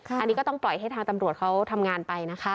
อันนี้ก็ต้องปล่อยให้ทางตำรวจเขาทำงานไปนะคะ